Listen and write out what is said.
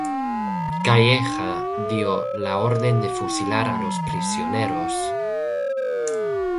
Calleja dio la orden de fusilar a los prisioneros.